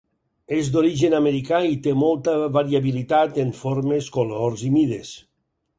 És d'origen americà i té molta variabilitat en formes colors i mides.